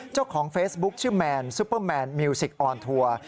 เจ้าของเฟซบุ๊คชื่อแมนซุปเปอร์แมนมิวสิกออนทัวร์